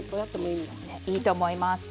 いいと思います。